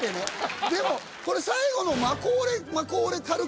でもこれ最後の。